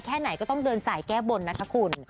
แค่ไหนก็ต้องเดินสายแก้บนนะคะคุณ